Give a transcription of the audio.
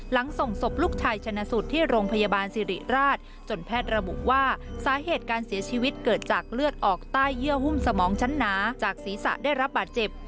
หลังส่งศพลูกชายชนะสูตรที่โรงพยาบาลสิริราชจนแพทย์ระบุว่าสาเหตุการเสียชีวิตเกิดจากเลือดออกใต้เยื่อหุ้มสมองชั้นหนาจากศีรษะได้รับบาดเจ็บ